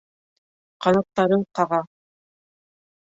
Ҡанаттарын ҡаға.